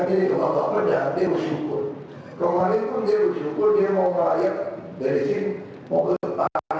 bapak apakah itu ada perintahnya dengan pembagian pembagian tv